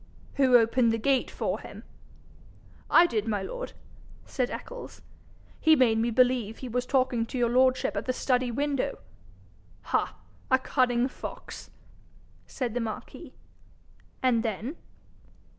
'Who opened the gate for him?' 'I did, my lord,' said Eccles. 'He made me believe he was talking to your lordship at the study window.' 'Ha! a cunning fox!' said the marquis. 'And then?'